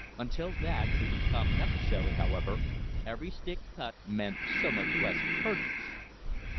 Until that should become necessary, however, every stick cut meant so much less to purchase.